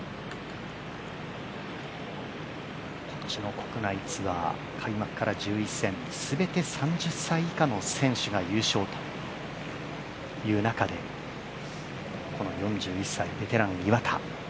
今年の国内ツアー開幕から１１戦すべて３０歳以下の選手が優勝という中でこの４１歳、ベテラン・岩田。